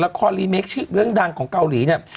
คอรีเมคชื่อเรื่องดังของเกาหลีเนี่ย